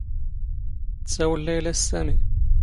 ⵜⵙⴰⵡⵍ ⵍⴰⵢⵍⴰ ⵙ ⵙⴰⵎⵉ.